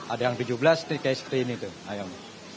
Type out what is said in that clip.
ada yang tujuh belas seperti ini tuh ayam